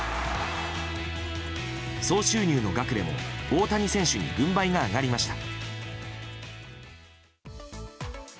総収入の額でも大谷選手に軍配が上がりました。